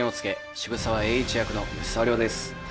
渋沢栄一役の吉沢亮です。